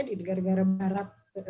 di negara negara barat